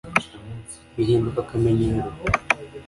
bihinduka akamenyero